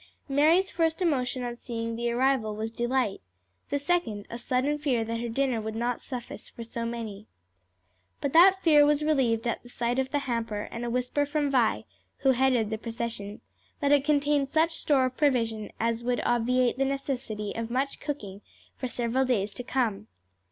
Mary's first emotion on seeing the arrival was delight, the second a sudden fear that her dinner would not suffice for so many. But that fear was relieved at sight of the hamper and a whisper from Vi, who headed the procession, that it contained such store of provision as would obviate the necessity of much cooking for several days to come.